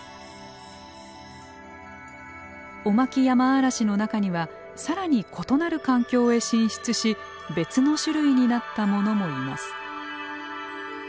オマキヤマアラシの中には更に異なる環境へ進出し別の種類になった者もいます。